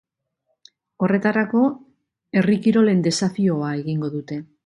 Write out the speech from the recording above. Horretarako, herri kirolen desafioa egingo dute.